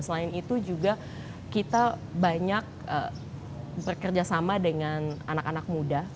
selain itu juga kita banyak bekerja sama dengan anak anak muda